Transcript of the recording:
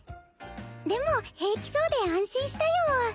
でも平気そうで安心したよ。